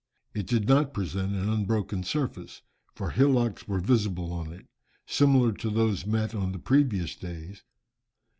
It did not present an unbroken surface, for hillocks were visible on it, similar to those met on the previous days.